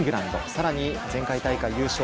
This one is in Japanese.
さらに前回大会優勝